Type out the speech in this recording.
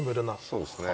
そうですね。